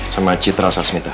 sama citra sasmita